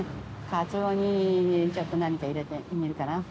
カツオにちょっと何か入れて煮るかな。